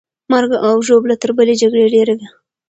مرګ او ژوبله تر بلې جګړې ډېره وه.